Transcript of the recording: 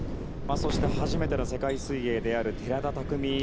そして初めての世界水泳である寺田拓未。